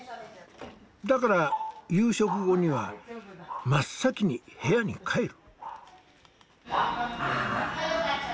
だから夕食後には真っ先に部屋に帰る。